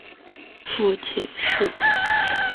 父亲是。